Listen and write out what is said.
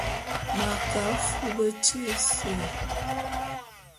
M'a ke afub tyé ése.